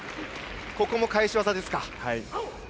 ここも返し技ですか。